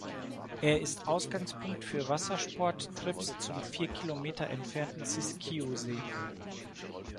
Er ist Ausgangspunkt für Wassersport-Trips zum vier Kilometer entfernten Siskiyou-See.